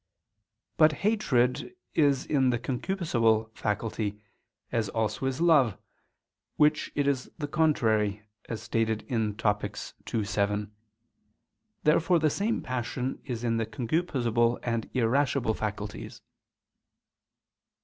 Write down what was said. But hatred is in the concupiscible faculty, as also is love, of which it is the contrary, as is stated in Topic. ii, 7. Therefore the same passion is in the concupiscible and irascible faculties.